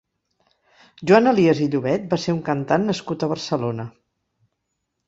Joan Elias i Llobet va ser un cantant nascut a Barcelona.